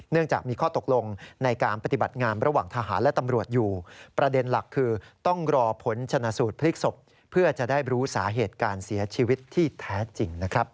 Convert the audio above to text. จากมีข้อตกลงในการปฏิบัติงานระหว่างทหารและตำรวจอยู่ประเด็นหลักคือต้องรอผลชนะสูตรพลิกศพเพื่อจะได้รู้สาเหตุการเสียชีวิตที่แท้จริงนะครับ